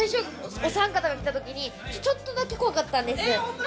お３方が来た時にちょっとだけ怖かったんですよ。